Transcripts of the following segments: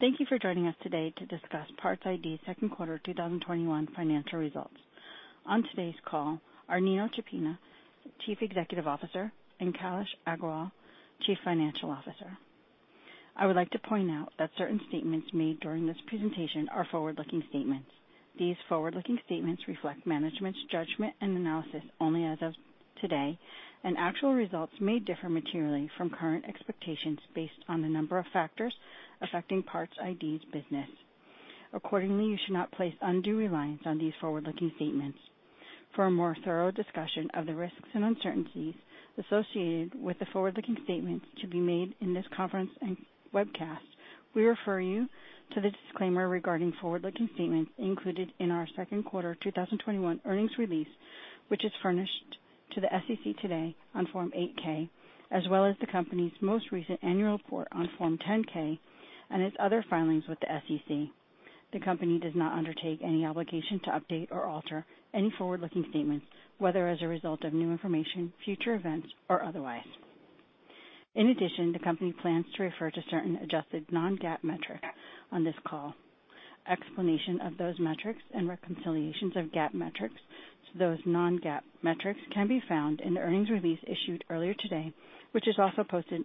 Thank you for joining us today to discuss PARTS iD's second quarter 2021 financial results. On today's call are Antonino Ciappina, Chief Executive Officer, and Kailas Agrawal, Chief Financial Officer. I would like to point out that certain statements made during this presentation are forward-looking statements. These forward-looking statements reflect management's judgment and analysis only as of today, and actual results may differ materially from current expectations based on the number of factors affecting PARTS iD's business. Accordingly, you should not place undue reliance on these forward-looking statements. For a more thorough discussion of the risks and uncertainties associated with the forward-looking statements to be made in this conference and webcast, we refer you to the disclaimer regarding forward-looking statements included in our second quarter 2021 earnings release, which is furnished to the SEC today on Form 8-K, as well as the company's most recent annual report on Form 10-K, and its other filings with the SEC. The company does not undertake any obligation to update or alter any forward-looking statements, whether as a result of new information, future events, or otherwise. In addition, the company plans to refer to certain adjusted non-GAAP metrics on this call. Explanation of those metrics and reconciliations of GAAP metrics to those non-GAAP metrics can be found in the earnings release issued earlier today, which is also posted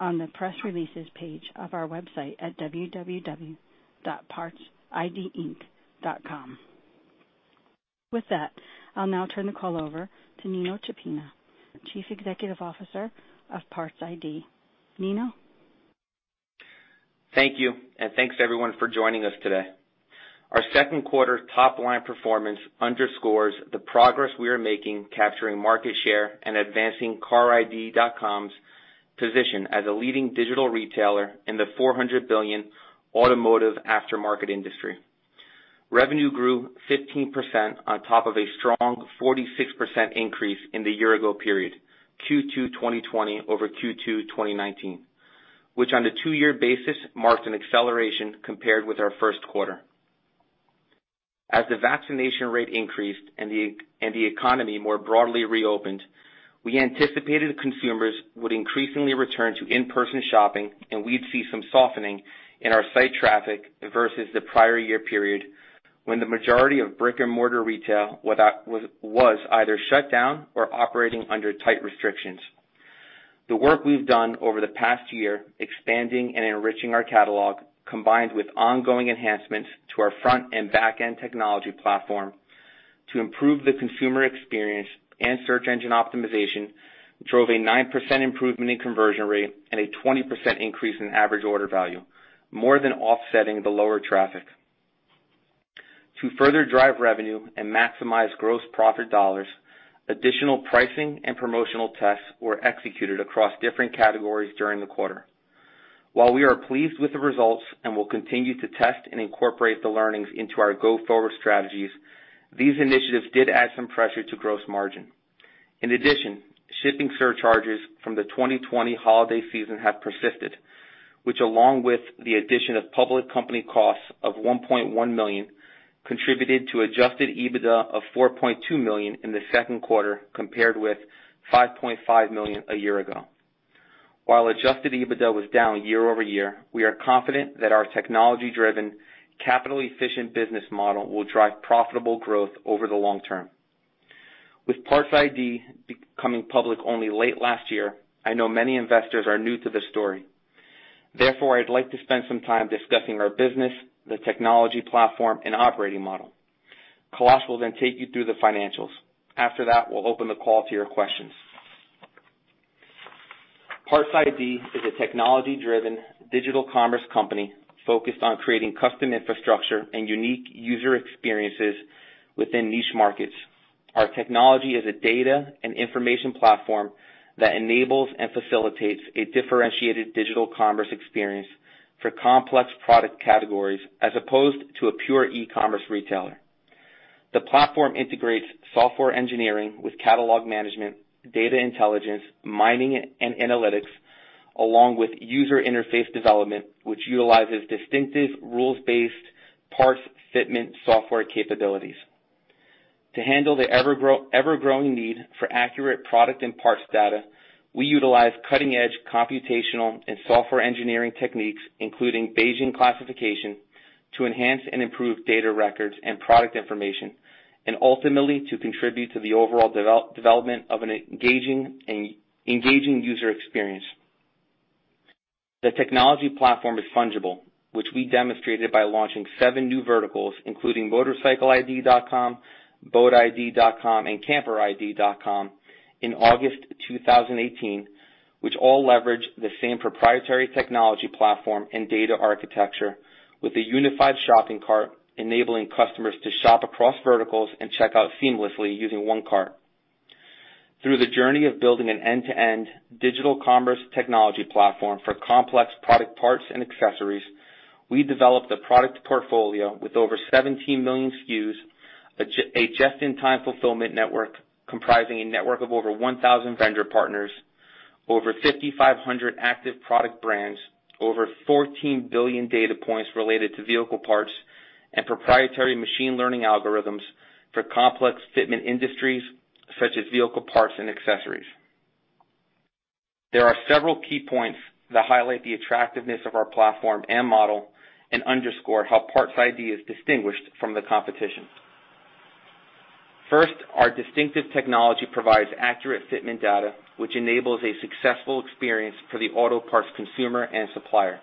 on the Press Releases page of our website at www.partsidinc.com. With that, I'll now turn the call over to Antonino Ciappina, Chief Executive Officer of PARTS iD. Nino? Thank you, and thanks, everyone, for joining us today. Our second quarter top-line performance underscores the progress we are making capturing market share and advancing CARDiD.com's position as a leading digital retailer in the 400 billion automotive aftermarket industry. Revenue grew 15% on top of a strong 46% increase in the year-ago period, Q2 2020 over Q2 2019, which, on a two-year basis, marked an acceleration compared with our first quarter. As the vaccination rate increased and the economy more broadly reopened, we anticipated consumers would increasingly return to in-person shopping, and we'd see some softening in our site traffic versus the prior year period, when the majority of brick-and-mortar retail was either shut down or operating under tight restrictions. The work we've done over the past year expanding and enriching our catalog, combined with ongoing enhancements to our front and back-end technology platform to improve the consumer experience and search engine optimization, drove a 9% improvement in conversion rate and a 20% increase in average order value, more than offsetting the lower traffic. To further drive revenue and maximize gross profit dollars, additional pricing and promotional tests were executed across different categories during the quarter. While we are pleased with the results and will continue to test and incorporate the learnings into our go-forward strategies, these initiatives did add some pressure to gross margin. In addition, shipping surcharges from the 2020 holiday season have persisted, which, along with the addition of public company costs of $1.1 million, contributed to adjusted EBITDA of $4.2 million in the second quarter, compared with $5.5 million a year ago. While adjusted EBITDA was down year-over-year, we are confident that our technology-driven, capital-efficient business model will drive profitable growth over the long term. With PARTS iD becoming public only late last year, I know many investors are new to this story. Therefore, I'd like to spend some time discussing our business, the technology platform, and operating model. Kailash will then take you through the financials. After that, we'll open the call to your questions. PARTS iD is a technology-driven digital commerce company focused on creating custom infrastructure and unique user experiences within niche markets. Our technology is a data and information platform that enables and facilitates a differentiated digital commerce experience for complex product categories as opposed to a pure e-commerce retailer. The platform integrates software engineering with catalog management, data intelligence, mining, and analytics, along with user interface development, which utilizes distinctive rules-based parts fitment software capabilities. To handle the ever-growing need for accurate product and parts data, we utilize cutting-edge computational and software engineering techniques, including Bayesian classification, to enhance and improve data records and product information, and ultimately to contribute to the overall development of an engaging user experience. The technology platform is fungible, which we demonstrated by launching seven new verticals, including motorcycleid.com, boatid.com, and camperid.com in August 2018, which all leverage the same proprietary technology platform and data architecture with a unified shopping cart, enabling customers to shop across verticals and check out seamlessly using one cart. Through the journey of building an end-to-end digital commerce technology platform for complex product parts and accessories, we developed a product portfolio with over 17 million SKUs, a just-in-time fulfillment network comprising a network of over 1,000 vendor partners, over 5,500 active product brands, over 14 billion data points related to vehicle parts and proprietary machine learning algorithms for complex fitment industries, such as vehicle parts and accessories. There are several key points that highlight the attractiveness of our platform and model, and underscore how PARTS iD is distinguished from the competition. First, our distinctive technology provides accurate fitment data, which enables a successful experience for the auto parts consumer and supplier.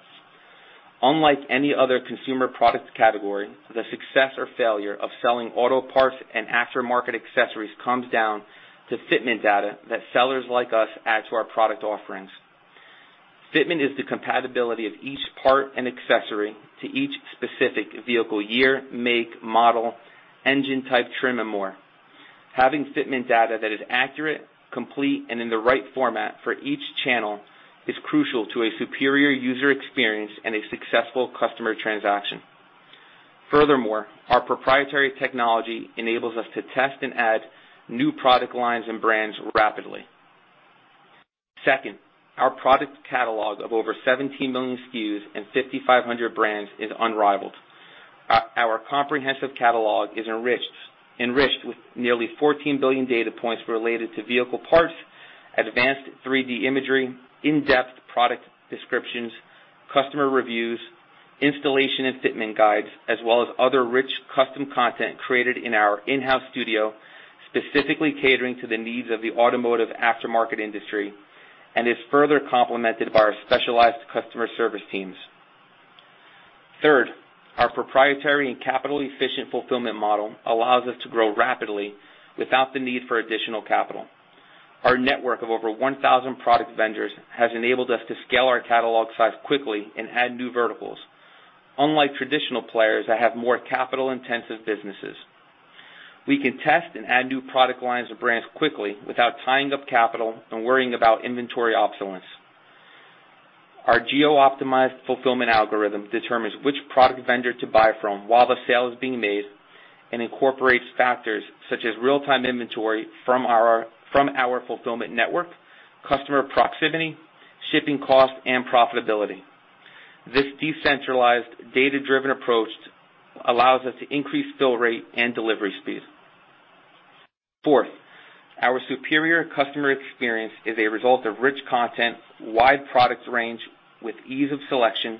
Unlike any other consumer product category, the success or failure of selling auto parts and aftermarket accessories comes down to fitment data that sellers like us add to our product offerings. Fitment is the compatibility of each part and accessory to each specific vehicle year, make, model, engine type, trim, and more. Having fitment data that is accurate, complete, and in the right format for each channel is crucial to a superior user experience and a successful customer transaction. Furthermore, our proprietary technology enables us to test and add new product lines and brands rapidly. Second, our product catalog of over 17 million SKUs and 5,500 brands is unrivaled. Our comprehensive catalog is enriched with nearly 14 billion data points related to vehicle parts, advanced 3D imagery, in-depth product descriptions, customer reviews, installation and fitment guides, as well as other rich custom content created in our in-house studio, specifically catering to the needs of the automotive aftermarket industry, and is further complemented by our specialized customer service teams. Third, our proprietary and capital-efficient fulfillment model allows us to grow rapidly without the need for additional capital. Our network of over 1,000 product vendors has enabled us to scale our catalog size quickly and add new verticals, unlike traditional players that have more capital-intensive businesses. We can test and add new product lines or brands quickly without tying up capital and worrying about inventory obsolescence. Our geo-optimized fulfillment algorithm determines which product vendor to buy from while the sale is being made and incorporates factors such as real-time inventory from our fulfillment network, customer proximity, shipping cost, and profitability. This decentralized, data-driven approach allows us to increase fill rate and delivery speed. Fourth, our superior customer experience is a result of rich content, wide product range with ease of selection,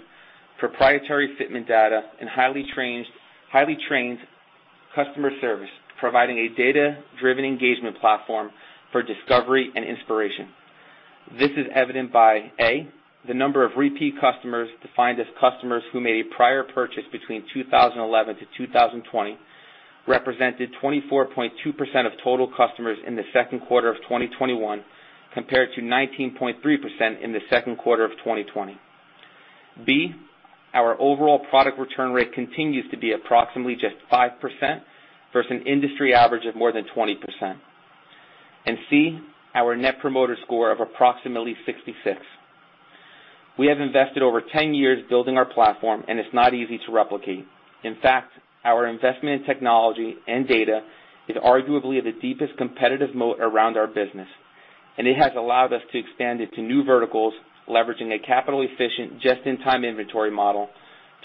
proprietary fitment data, and highly trained customer service, providing a data-driven engagement platform for discovery and inspiration. This is evident by, A. the number of repeat customers, defined as customers who made a prior purchase between 2011 to 2020, represented 24.2% of total customers in the second quarter of 2021, compared to 19.3% in the second quarter of 2020. B. our overall product return rate continues to be approximately just 5%, versus an industry average of more than 20%. C. our net promoter score of approximately 66. We have invested over 10 years building our platform. It's not easy to replicate. In fact, our investment in technology and data is arguably the deepest competitive moat around our business. It has allowed us to expand it to new verticals, leveraging a capital-efficient, just-in-time inventory model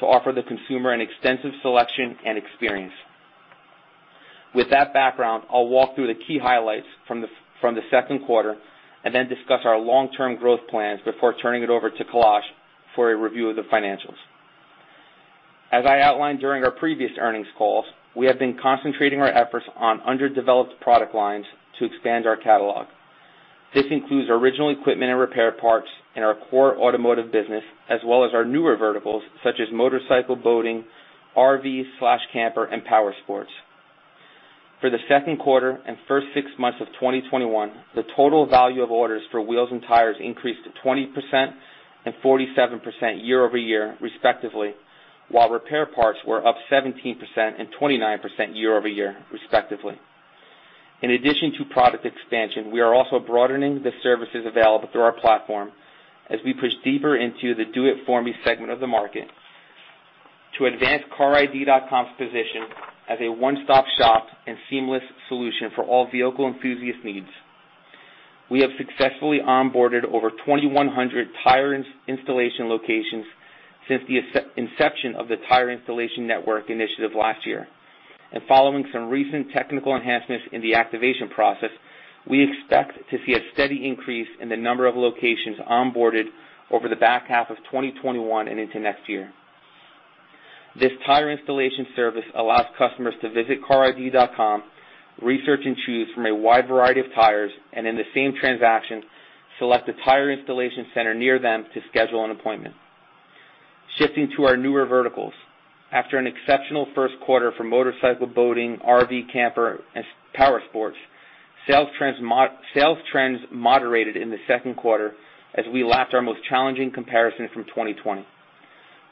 to offer the consumer an extensive selection and experience. With that background, I'll walk through the key highlights from the second quarter, and then discuss our long-term growth plans before turning it over to Kailash for a review of the financials. As I outlined during our previous earnings calls, we have been concentrating our efforts on underdeveloped product lines to expand our catalog. This includes original equipment and repair parts in our core automotive business, as well as our newer verticals, such as motorcycle, boating, RV/camper, and powersports. For the second quarter and first 6 months of 2021, the total value of orders for wheels and tires increased to 20% and 47% year-over-year, respectively, while repair parts were up 17% and 29% year-over-year, respectively. In addition to product expansion, we are also broadening the services available through our platform as we push deeper into the do-it-for-me segment of the market. To advance CARiD.com's position as a one-stop shop and seamless solution for all vehicle enthusiast needs, we have successfully onboarded over 2,100 tire installation locations since the inception of the tire installation network initiative last year. Following some recent technical enhancements in the activation process, we expect to see a steady increase in the number of locations onboarded over the back half of 2021 and into next year. This tire installation service allows customers to visit CARiD.com, research and choose from a wide variety of tires, and in the same transaction, select a tire installation center near them to schedule an appointment. Shifting to our newer verticals, after an exceptional first quarter for motorcycle boating, RV camper, and powersports, sales trends moderated in the second quarter as we lapped our most challenging comparison from 2020.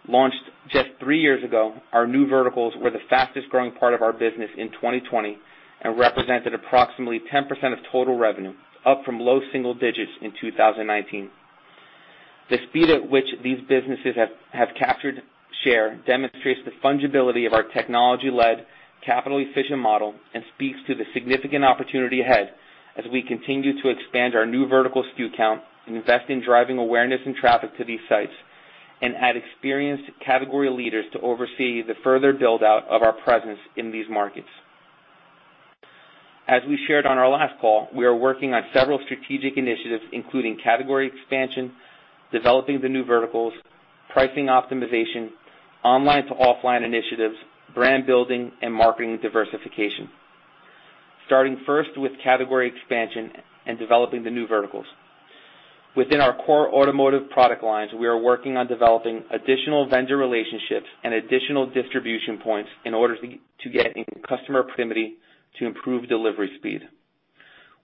Launched just three years ago, our new verticals were the fastest-growing part of our business in 2020 and represented approximately 10% of total revenue, up from low single digits in 2019. The speed at which these businesses have captured share demonstrates the fungibility of our technology-led capital-efficient model and speaks to the significant opportunity ahead as we continue to expand our new vertical SKU count and invest in driving awareness and traffic to these sites and add experienced category leaders to oversee the further build-out of our presence in these markets. As we shared on our last call, we are working on several strategic initiatives, including category expansion, developing the new verticals, pricing optimization, online to offline initiatives, brand building, and marketing diversification. Starting first with category expansion and developing the new verticals. Within our core automotive product lines, we are working on developing additional vendor relationships and additional distribution points in order to get customer proximity to improve delivery speed.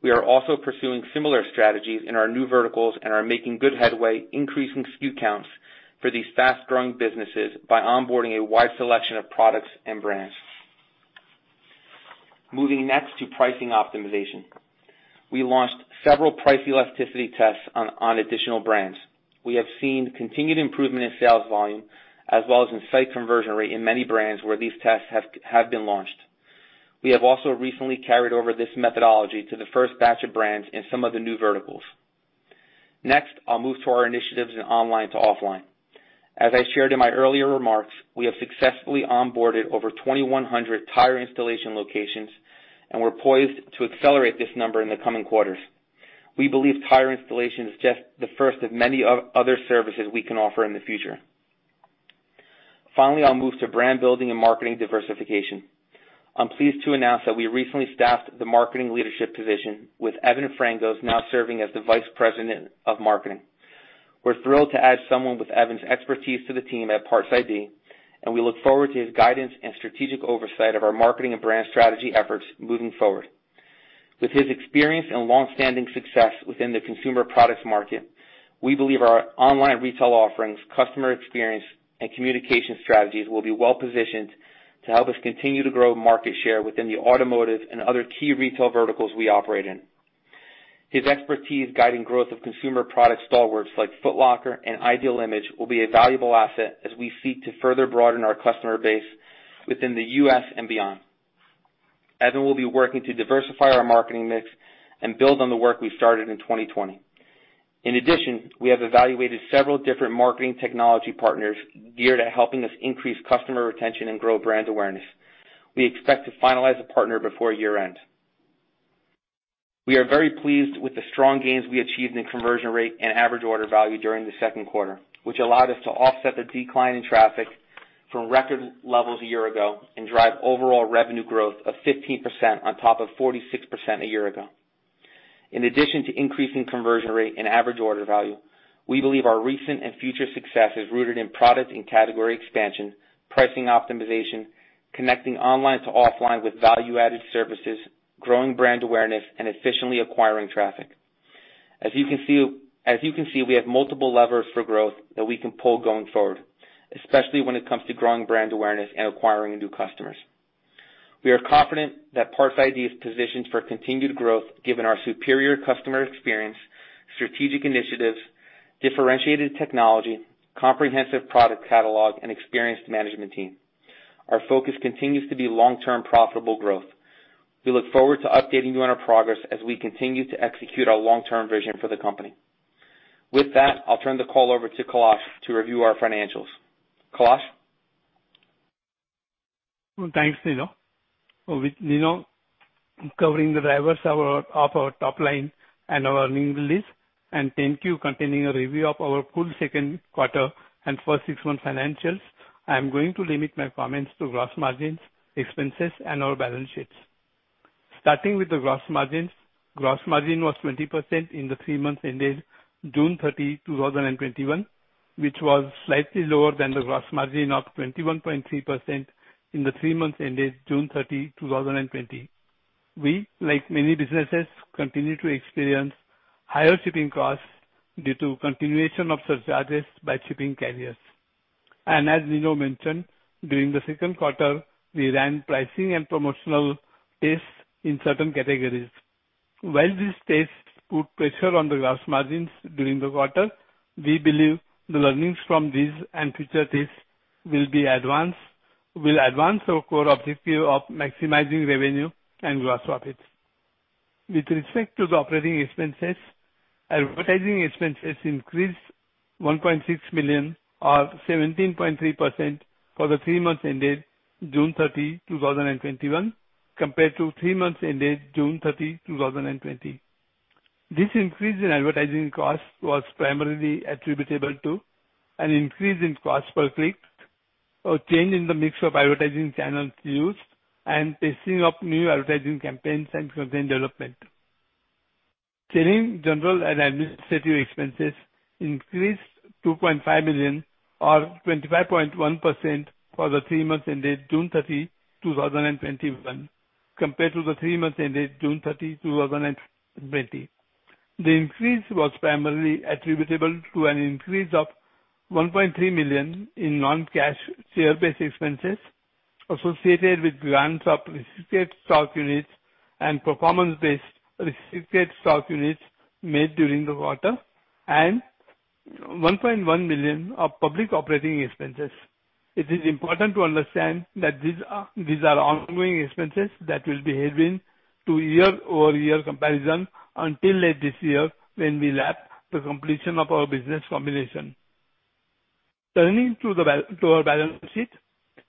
We are also pursuing similar strategies in our new verticals and are making good headway increasing SKU counts for these fast-growing businesses by onboarding a wide selection of products and brands. Moving next to pricing optimization. We launched several price elasticity tests on additional brands. We have seen continued improvement in sales volume as well as in site conversion rate in many brands where these tests have been launched. We have also recently carried over this methodology to the first batch of brands in some of the new verticals. Next, I'll move to our initiatives in online to offline. As I shared in my earlier remarks, we have successfully onboarded over 2,100 tire installation locations, and we're poised to accelerate this number in the coming quarters. We believe tire installation is just the first of many other services we can offer in the future. Finally, I'll move to brand building and marketing diversification. I'm pleased to announce that we recently staffed the marketing leadership position, with Evan Frangos now serving as the Vice President of Marketing. We're thrilled to add someone with Evan's expertise to the team at PARTS iD, and we look forward to his guidance and strategic oversight of our marketing and brand strategy efforts moving forward. With his experience and longstanding success within the consumer products market, we believe our online retail offerings, customer experience, and communication strategies will be well-positioned to help us continue to grow market share within the automotive and other key retail verticals we operate in. His expertise guiding growth of consumer product stalwarts like Foot Locker and Ideal Image will be a valuable asset as we seek to further broaden our customer base within the U.S. and beyond. Evan will be working to diversify our marketing mix and build on the work we started in 2020. In addition, we have evaluated several different marketing technology partners geared at helping us increase customer retention and grow brand awareness. We expect to finalize a partner before year-end. We are very pleased with the strong gains we achieved in conversion rate and average order value during the second quarter, which allowed us to offset the decline in traffic from record levels a year ago and drive overall revenue growth of 15% on top of 46% a year ago. In addition to increasing conversion rate and average order value, we believe our recent and future success is rooted in product and category expansion, pricing optimization, connecting online to offline with value-added services, growing brand awareness, and efficiently acquiring traffic. As you can see, we have multiple levers for growth that we can pull going forward, especially when it comes to growing brand awareness and acquiring new customers. We are confident that PARTS iD is positioned for continued growth given our superior customer experience, strategic initiatives, differentiated technology, comprehensive product catalog, and experienced management team. Our focus continues to be long-term profitable growth. We look forward to updating you on our progress as we continue to execute our long-term vision for the company. With that, I'll turn the call over to Kailas to review our financials. Kailas? Well, thanks, Nino. With Nino covering the drivers of our top line and our earnings release, and 10-Q containing a review of our full second quarter and first six-month financials, I'm going to limit my comments to gross margins, expenses, and our balance sheets. Starting with the gross margins. Gross margin was 20% in the three months ended June 30, 2021, which was slightly lower than the gross margin of 21.3% in the three months ended June 30, 2020. We, like many businesses, continue to experience higher shipping costs due to continuation of surcharges by shipping carriers. As Nino mentioned, during the second quarter, we ran pricing and promotional tests in certain categories. While these tests put pressure on the gross margins during the quarter, we believe the learnings from these and future tests will advance our core objective of maximizing revenue and gross profits. With respect to the operating expenses, advertising expenses increased $1.6 million or 17.3% for the three months ended June 30, 2021, compared to three months ended June 30, 2020. This increase in advertising costs was primarily attributable to an increase in cost per click, a change in the mix of advertising channels used, and testing of new advertising campaigns and content development. Selling, general, and administrative expenses increased $2.5 million or 25.1% for the three months ended June 30, 2021, compared to the three months ended June 30, 2020. The increase was primarily attributable to an increase of $1.3 million in non-cash share-based expenses associated with grants of restricted stock units and performance-based restricted stock units made during the quarter and $1.1 million of public operating expenses. It is important to understand that these are ongoing expenses that will be headwind to year-over-year comparison until late this year when we lap the completion of our business combination. Turning to our balance sheet,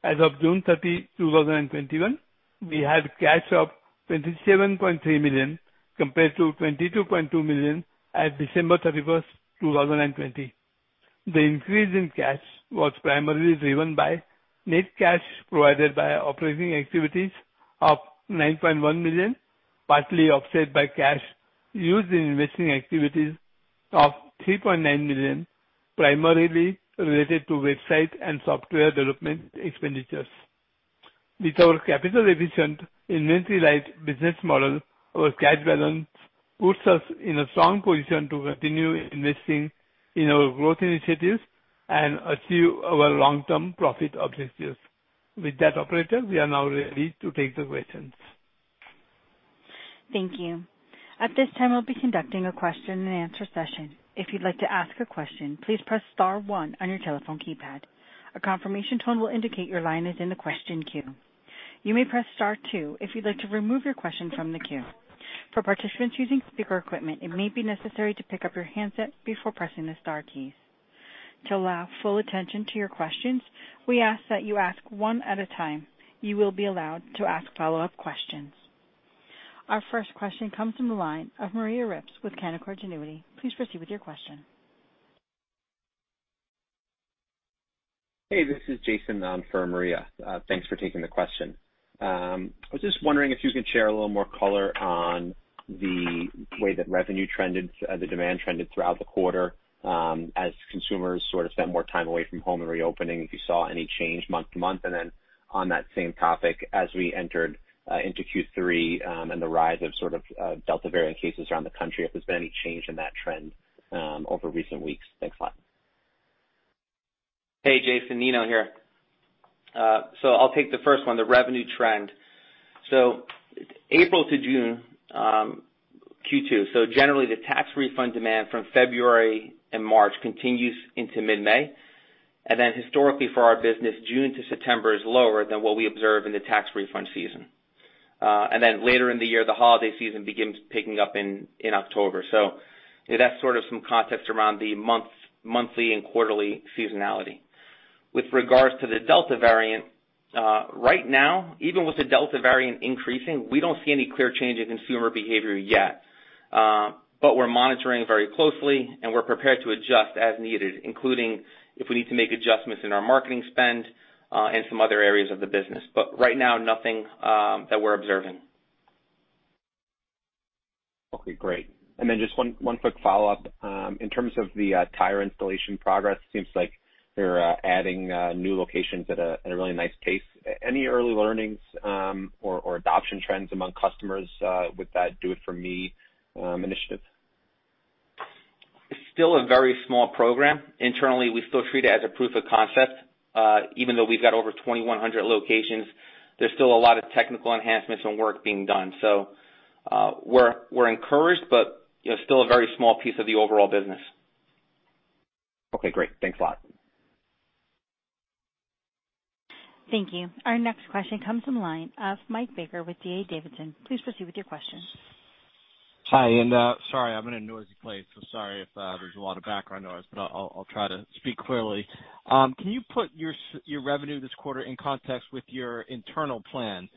as of June 30, 2021, we had cash of $27.3 million compared to $22.2 million as December 31st, 2020. The increase in cash was primarily driven by net cash provided by operating activities of $9.1 million, partly offset by cash used in investing activities of $3.9 million, primarily related to website and software development expenditures. With our capital-efficient, inventory-light business model, our cash balance puts us in a strong position to continue investing in our growth initiatives and achieve our long-term profit objectives. With that, operator, we are now ready to take the questions. Thank you. At this time, we'll be conducting a question and answer session. If you'd like to ask a question, please press star one on your telephone keypad. A confirmation tone will indicate your line is in the question queue. You may press star two if you'd like to remove your question from the queue. For participants using speaker equipment, it may be necessary to pick up your handset before pressing the star keys. To allow full attention to your questions, we ask that you ask one at a time. You will be allowed to ask follow-up questions. Our first question comes from the line of Maria Ripps with Canaccord Genuity. Please proceed with your question. Hey, this is Jason for Maria. Thanks for taking the question. I was just wondering if you could share a little more color on the way that revenue trended, the demand trended throughout the quarter as consumers sort of spent more time away from home and reopening, if you saw any change month to month. On that same topic, as we entered into Q3 and the rise of sort of Delta variant cases around the country, if there's been any change in that trend over recent weeks. Thanks a lot. Hey, Jason, Nino here. I'll take the first one, the revenue trend. April to June, Q2. Generally, the tax refund demand from February and March continues into mid-May, and then historically for our business, June to September is lower than what we observe in the tax refund season. Later in the year, the holiday season begins picking up in October. That's sort of some context around the monthly and quarterly seasonality. With regards to the Delta variant, right now, even with the Delta variant increasing, we don't see any clear change in consumer behavior yet. We're monitoring very closely, and we're prepared to adjust as needed, including if we need to make adjustments in our marketing spend, and some other areas of the business. Right now, nothing that we're observing. Okay, great. Just one quick follow-up. In terms of the tire installation progress, seems like you're adding new locations at a really nice pace. Any early learnings or adoption trends among customers with that Do It For Me initiative? It's still a very small program. Internally, we still treat it as a proof of concept. Even though we've got over 2,100 locations, there's still a lot of technical enhancements and work being done. We're encouraged, but still a very small piece of the overall business. Okay, great. Thanks a lot. Thank you. Our next question comes from the line of Mike Baker with D.A. Davidson. Please proceed with your question. Hi, and sorry, I'm in a noisy place. Sorry if there's a lot of background noise, but I'll try to speak clearly. Can you put your revenue this quarter in context with your internal plan?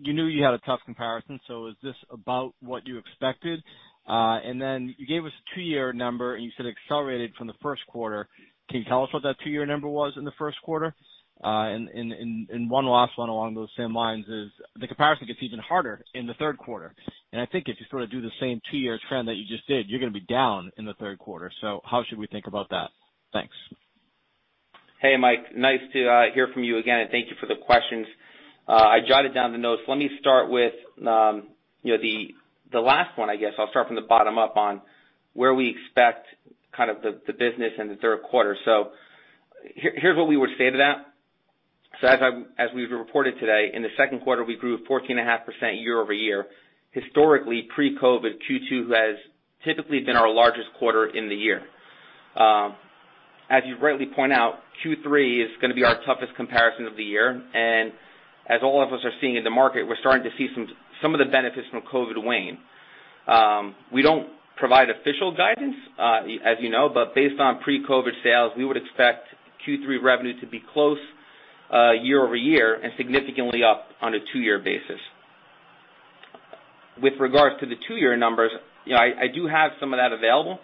You knew you had a tough comparison, so is this about what you expected? You gave us a two-year number, and you said accelerated from the first quarter. Can you tell us what that two-year number was in the first quarter? One last one along those same lines is the comparison gets even harder in the third quarter. I think if you sort of do the same two-year trend that you just did, you're going to be down in the third quarter. How should we think about that? Thanks. Hey, Mike. Nice to hear from you again, and thank you for the questions. I jotted down the notes. Let me start with the last one, I guess. I'll start from the bottom up on where we expect kind of the business in the third quarter. Here's what we would say to that. As we've reported today, in the second quarter, we grew 14.5% year-over-year. Historically, pre-COVID, Q2 has typically been our largest quarter in the year. As you rightly point out, Q3 is going to be our toughest comparison of the year. As all of us are seeing in the market, we're starting to see some of the benefits from COVID wane. We don't provide official guidance, as you know, but based on pre-COVID sales, we would expect Q3 revenue to be close year-over-year and significantly up on a two-year basis. With regards to the two-year numbers, I do have some of that available.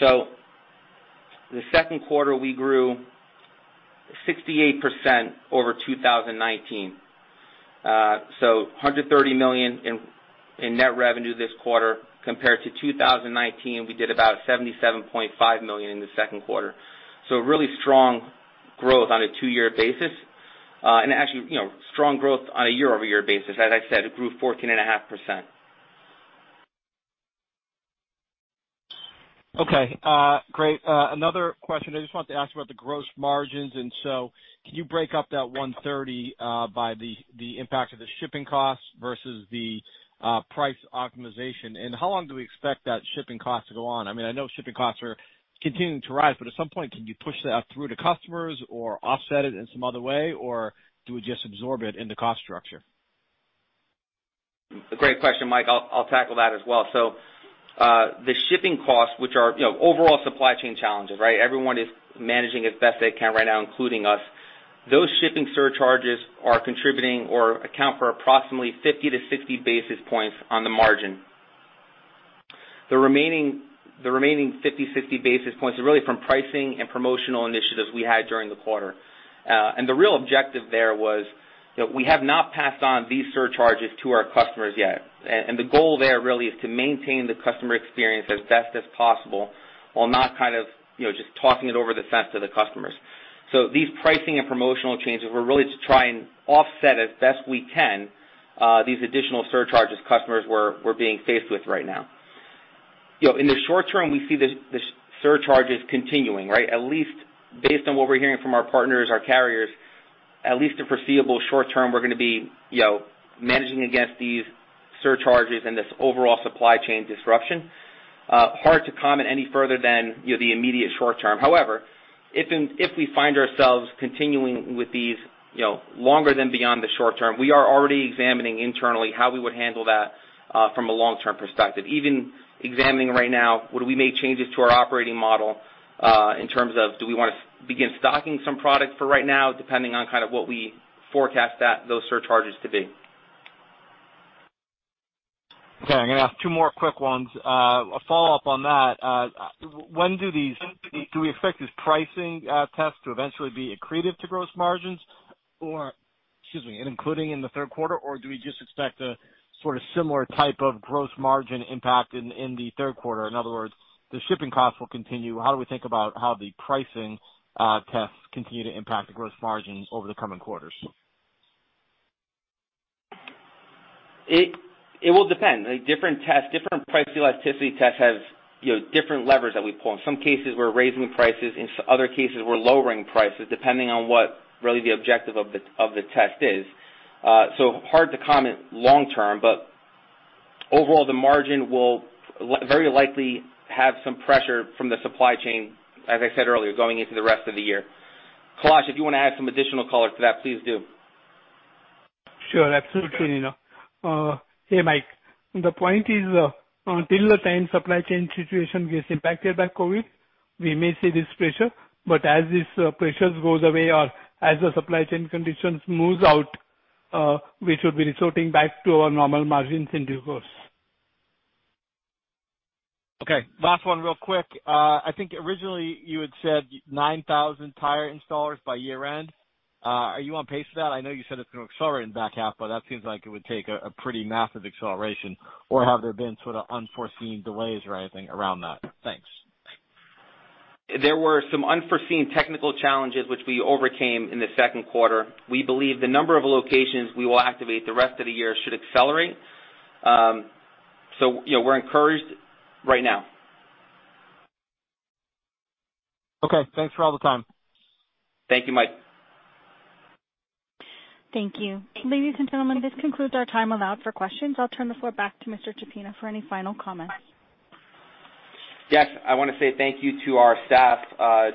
The second quarter, we grew 68% over 2019. $130 million in net revenue this quarter compared to 2019, we did about $77.5 million in the second quarter. Really strong growth on a two-year basis. Actually, strong growth on a year-over-year basis. As I said, it grew 14.5%. Okay. Great. Another question. I just wanted to ask about the gross margins, and so can you break up that 130 by the impact of the shipping costs versus the price optimization? How long do we expect that shipping cost to go on? I know shipping costs are continuing to rise, but at some point, can you push that through to customers or offset it in some other way, or do we just absorb it in the cost structure? Great question, Mike. I'll tackle that as well. The shipping costs, which are overall supply chain challenges, right? Everyone is managing as best they can right now, including us. Those shipping surcharges are contributing or account for approximately 50 to 60 basis points on the margin. The remaining 50, 60 basis points are really from pricing and promotional initiatives we had during the quarter. The real objective there was that we have not passed on these surcharges to our customers yet. The goal there really is to maintain the customer experience as best as possible, while not just tossing it over the fence to the customers. These pricing and promotional changes were really to try and offset, as best we can, these additional surcharges customers were being faced with right now. In the short term, we see the surcharges continuing, right? At least based on what we're hearing from our partners, our carriers, at least the foreseeable short term, we're going to be managing against these surcharges and this overall supply chain disruption. Hard to comment any further than the immediate short term. However, if we find ourselves continuing with these longer than beyond the short term, we are already examining internally how we would handle that from a long-term perspective. Even examining right now, would we make changes to our operating model in terms of do we want to begin stocking some product for right now, depending on what we forecast those surcharges to be. Okay. I'm going to ask two more quick ones. A follow-up on that. Do we expect these pricing tests to eventually be accretive to gross margins including in the third quarter, or do we just expect a sort of similar type of gross margin impact in the third quarter? In other words, the shipping costs will continue. How do we think about how the pricing tests continue to impact the gross margins over the coming quarters? It will depend. Different price elasticity tests have different levers that we pull. In some cases, we're raising prices. In other cases, we're lowering prices, depending on what really the objective of the test is. Hard to comment long term, but overall, the margin will very likely have some pressure from the supply chain, as I said earlier, going into the rest of the year. Kailash, if you want to add some additional color to that, please do. Sure. Absolutely, Nino. Hey, Mike. The point is, until the time supply chain situation gets impacted by COVID, we may see this pressure, but as these pressures goes away or as the supply chain conditions smooth out, we should be resorting back to our normal margins in due course. Okay. Last one real quick. I think originally you had said 9,000 tire installers by year end. Are you on pace for that? I know you said it's going to accelerate in the back half, but that seems like it would take a pretty massive acceleration. Have there been sort of unforeseen delays or anything around that? Thanks. There were some unforeseen technical challenges which we overcame in the second quarter. We believe the number of locations we will activate the rest of the year should accelerate. we're encouraged right now. Okay. Thanks for all the time. Thank you, Mike. Thank you. Ladies and gentlemen, this concludes our time allowed for questions. I'll turn the floor back to Mr. Ciappina for any final comments. Yes, I want to say thank you to our staff,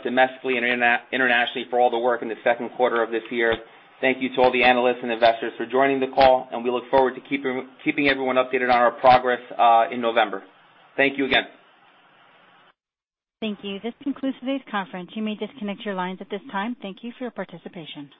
domestically and internationally, for all the work in the second quarter of this year. Thank you to all the analysts and investors for joining the call, and we look forward to keeping everyone updated on our progress in November. Thank you again. Thank you. This concludes today's conference. You may disconnect your lines at this time. Thank you for your participation.